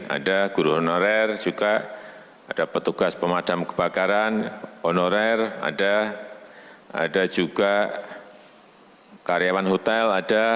ada guru honorer juga ada petugas pemadam kebakaran honorer ada juga karyawan hotel ada